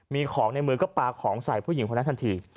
มีของในมือก็ปลาของใส่ผู้หญิงคนนั้นทันที